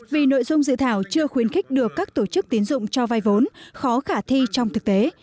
vì nội dung dự thảo chưa khuyến khích được các tổ chức tiến dụng cho vai vốn khó khả thi trong thực tế